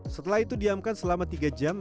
setelah itu diamkan selama tiga jam